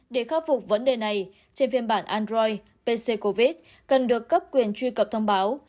để khắc phục vấn đề này trên phiên bản android pc covid cần được cấp quyền truy cập thông báo